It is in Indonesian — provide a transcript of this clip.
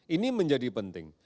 ini menjadi penting